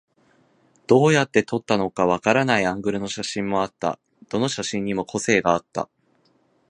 どうやって撮ったのかわからないアングルの写真もあった。どの写真にも個性があった。